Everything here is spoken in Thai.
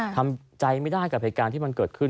ทำใจไม่ได้กับเหตุการณ์ที่มันเกิดขึ้น